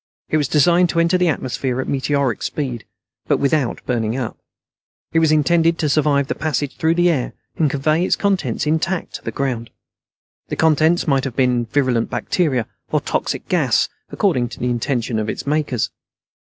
It was designed to enter the atmosphere at meteoric speed, but without burning up. It was intended to survive the passage through the air and convey its contents intact to the ground. The contents might have been virulent bacteria or toxic gas, according to the intentions of its makers.